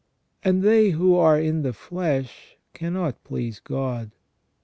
And they who are in the flesh cannot please God.